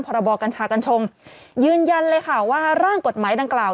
บกัญชากัญชงยืนยันเลยค่ะว่าร่างกฎหมายดังกล่าว